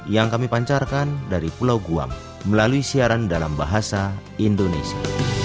yang kami pancarkan dari pulau guam melalui siaran dalam bahasa indonesia